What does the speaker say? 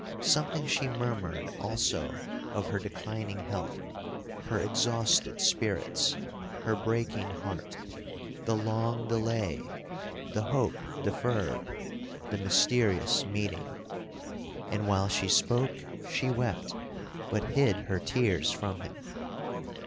Something she murmured also of her declining health—her exhausted spirits—her breaking heart—the long delay—the hope deferred—the mysterious meeting; and while she spoke she wept, but hid her tears from him.